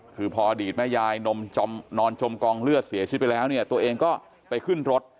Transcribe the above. คือพออดีตแม่ยายนมนอนจมกองเลือดเสียชีวิตไปแล้วเนี่ยตัวเองก็ไปขึ้นรถ